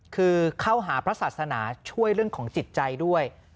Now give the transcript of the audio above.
คือเข้าหาพระศาสนาช่วยเรื่องของจิตใจด้วย